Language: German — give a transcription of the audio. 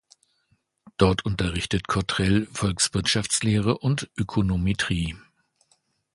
Dort unterrichtet Cottrell Volkswirtschaftslehre und Ökonometrie.